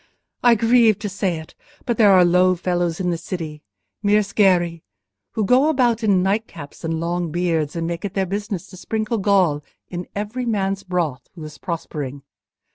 I grieve to say it, but there are low fellows in this city—mere sgherri, who go about in nightcaps and long beards, and make it their business to sprinkle gall in every man's broth who is prospering.